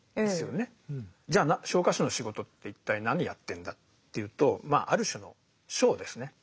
じゃ昇火士の仕事って一体何やってんだっていうとまあある種のショーですね。